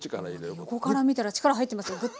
もうね横から見たら力入ってますよグッと。